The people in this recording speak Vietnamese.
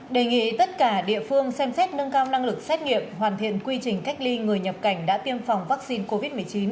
đề nghị tất cả địa phương xem xét nâng cao năng lực xét nghiệm hoàn thiện quy trình cách ly người nhập cảnh đã tiêm phòng vaccine covid một mươi chín